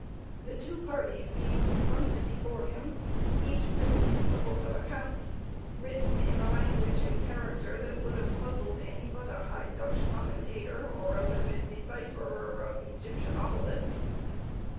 The two parties being confronted before him, each produced a book of accounts, written in a language and character that would have puzzled any but a High Dutch commentator, or a learned decipherer of Egyptian obelisks.